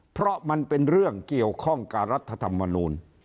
เพราะมันเป็นเรื่องเกี่ยวข้องกับรัฐธรรมนูล